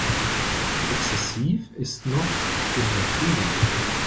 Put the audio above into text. Exzessiv ist noch untertrieben.